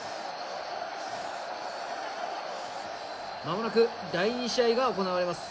まもなく第２試合が行われます。